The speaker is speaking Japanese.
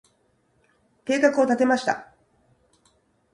計画を立てました。